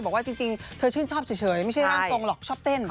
บอกว่าจริงเธอชื่นชอบเฉยไม่ใช่ร่างทรงหรอกชอบเต้น